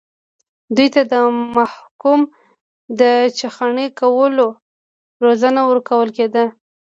دوی ته د محکوم د چخڼي کولو روزنه ورکول کېده.